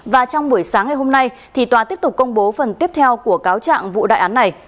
và trong buổi sáng ngày hôm nay thì tòa tiếp tục công bố phần tiếp theo của cáo trạng vụ đại án này